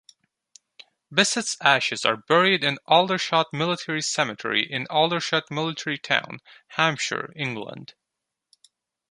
Bissett's ashes are buried in Aldershot Military Cemetery in Aldershot Military Town, Hampshire, England.